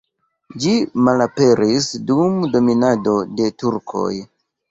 Ĝi malaperis dum dominado de turkoj.